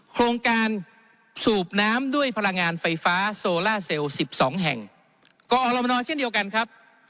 โครงการสูบน้ำด้วยพลังงานไฟฟ้าโซล่าเซลล์สิบสองแห่งกอรมนเช่นเดียวกันครับ